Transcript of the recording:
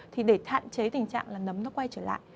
thì để hạn chế tình trạng là nấm nó quay trở lại